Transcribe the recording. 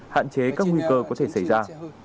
hạn chế các nguy cơ có thể xảy ra